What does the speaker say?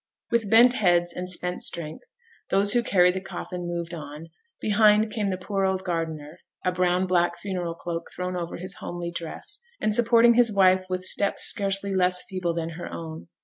With bent heads and spent strength, those who carried the coffin moved on; behind came the poor old gardener, a brown black funeral cloak thrown over his homely dress, and supporting his wife with steps scarcely less feeble than her own.